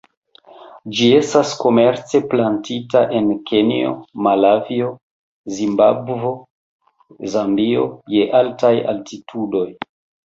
Ĝi estas komerce plantita en Kenjo, Malavio, Zimbabvo, Zambio je altaj altitudoj.